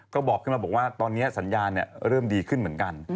ก็บอกขึ้นมาบอกว่าตอนนี้สัญญาณเริ่มดีขึ้นเหมือนกัน